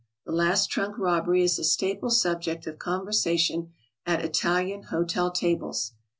The last trunk robbery is a staple subject of conversation at Italian hotel tables.